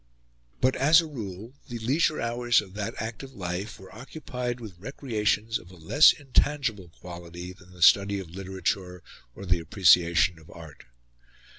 But as a rule the leisure hours of that active life were occupied with recreations of a less intangible quality than the study of literature or the appreciation of art.